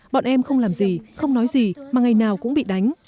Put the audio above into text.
bọn em không làm gì không nói gì mà ngày nào cũng bị đánh